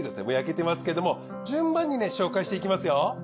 もう焼けてますけれども順番に紹介していきますよ。